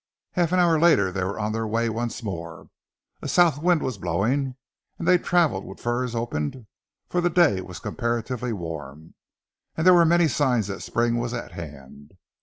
Half an hour later they were on the way once more. A south wind was blowing, and they travelled with furs opened, for the day was comparatively warm, and there were many signs that spring was at hand.